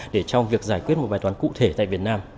để trong việc giải quyết một bài toán cụ thể tại việt nam